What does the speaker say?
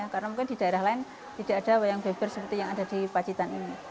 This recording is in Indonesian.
karena mungkin di daerah lain tidak ada wayang beber seperti yang ada di pacitan ini